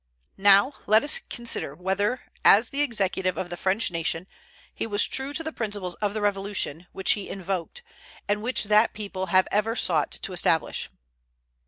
Now let us consider whether, as the executive of the French nation, he was true to the principles of the Revolution, which he invoked, and which that people have ever sought to establish.